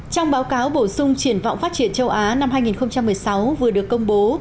trong báo cáo bổ sung triển vọng phát triển châu á năm hai nghìn một mươi sáu vừa được công bố